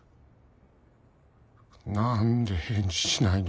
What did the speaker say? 何で返事しないの？